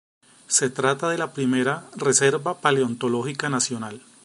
Se trata de la primera "reserva paleontológica nacional".